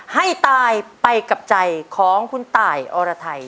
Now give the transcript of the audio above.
ให้ตายไปกับใจของคุณตายอรไทย